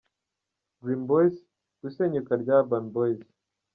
Dream Boys ku isenyuka rya Urban Boyz.